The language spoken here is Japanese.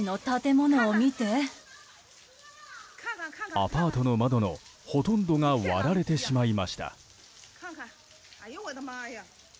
アパートの窓のほとんどが割られてしまいました。